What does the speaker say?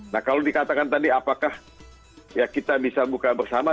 nah kalau dikatakan tadi apakah ya kita bisa buka bersama